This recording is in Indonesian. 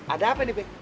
ada apa nih be